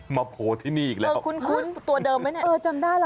มาโผล่ที่นี่อีกแล้วฮึตัวเดิมไหมเออจำได้ละ